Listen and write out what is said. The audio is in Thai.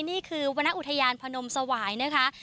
นี่คือวรรณอุทยานพนมสวายนะคะ